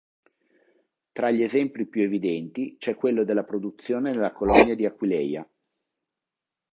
Tra gli esempi più evidenti c'è quello della produzione nella colonia di Aquileia.